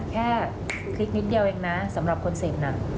แค่คลิกนิดเดียวเองนะสำหรับคนเสียบหนัง